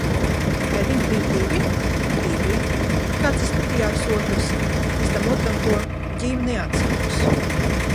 -Vai viņi bija divi? -Divi. -Kāds izskatījās otrs? -Es tam otram to...ģīmi neatceros.